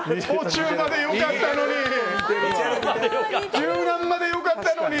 中盤まで良かったのに。